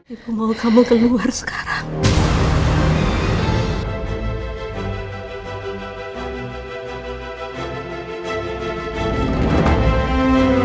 ibu mau kamu keluar sekarang